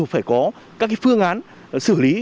phải có các phương án xử lý